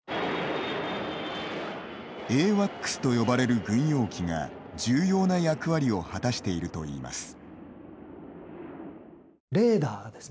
ＡＷＡＣＳと呼ばれる軍用機が、重要な役割を果たしているといいます。